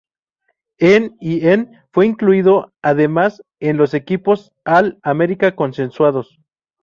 En y en fue incluido además en los equipos All-America consensuados.